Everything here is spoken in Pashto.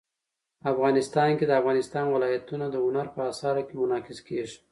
افغانستان کې د افغانستان ولايتونه د هنر په اثار کې منعکس کېږي.